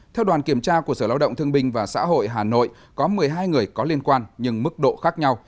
theo đoàn kiểm tra của sở lao động thương binh và xã hội hà nội có một mươi hai người có liên quan nhưng mức độ khác nhau